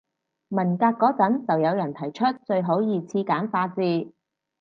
文革嗰陣就有人提出最好二次簡化字